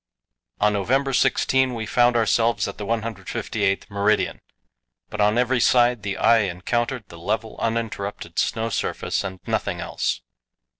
On November 16 we found ourselves at the 158th meridian, but on every side the eye encountered the level, uninterrupted snow surface and nothing else.